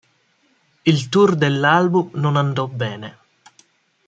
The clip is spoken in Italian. Il tour dell'album non andò bene.